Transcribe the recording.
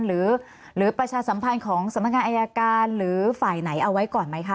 หรือประชาสัมพันธ์ของสำนักงานอายการหรือฝ่ายไหนเอาไว้ก่อนไหมคะ